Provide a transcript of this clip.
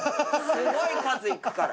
すごい数いくから。